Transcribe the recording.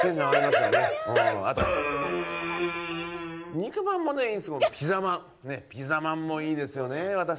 肉まんもいいですがピザまんもいいですね。